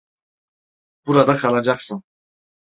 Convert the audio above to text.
Burada kalacaksın.